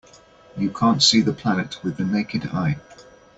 You can't see the planet with the naked eye.